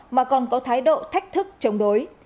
mà còn có thái độ thách thức chống đối